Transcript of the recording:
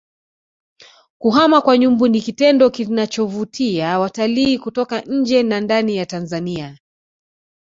kuhama kwa nyumbu ni kitendo kinachovutia watalii kutoka nje na ndani ya Tanzania